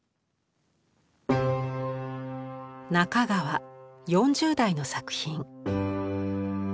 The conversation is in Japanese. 中川４０代の作品。